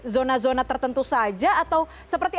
zona zona tertentu saja atau seperti